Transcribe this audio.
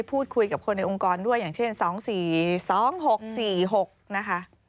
พูดคุยกับคนในองค์กรด้วยอย่างเช่น๒๔๒๖๔๖นะคะ